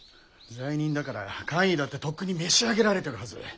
罪人だから官位だってとっくに召し上げられてるはず。